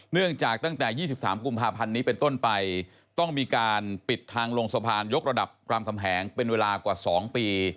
เนื่องจากตั้งแต่๒๓กุมภาพันธ์นี้เป็นต้นไปต้องมีการปิดทางลงสะพานยกระดับรามคำแหงเป็นเวลากว่า๒ปี